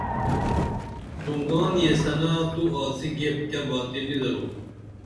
ڈُنگان ییسنہ تو آڅی گیپ کیہ باتی نی درو